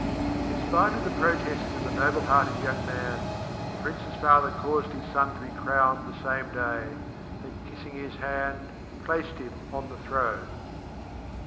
In spite of the protests of the noble hearted young man, the Prince's father caused his son to be crowned the same day, and kissing his hand, placed him on the throne.